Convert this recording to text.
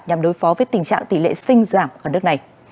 nhằm đối phó với tình trạng tỷ lệ sinh giảm ở nước này